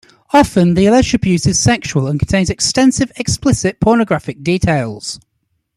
Often, the alleged abuse is sexual and contains extensive, explicit, pornographic details.